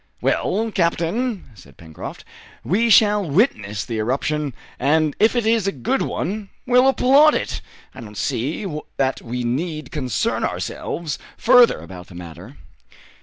"Well, captain," said Pencroft, "we shall witness the eruption; and if it is a good one, we'll applaud it. I don't see that we need concern ourselves further about the matter."